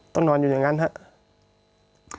นอนอยู่อย่างนั้นครับ